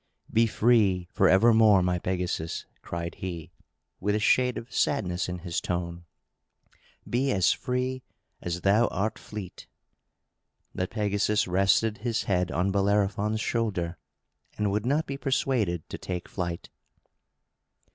"Be free, forevermore, my Pegasus!" cried he, with a shade of sadness in his tone. "Be as free as thou art fleet!" But Pegasus rested his head on Bellerophon's shoulder, and would not be persuaded to take flight.